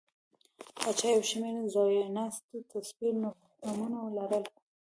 پاچا یو شمېر ځایناستو تصویري نومونه لرل.